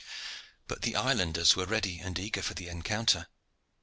But the islanders were ready and eager for the encounter.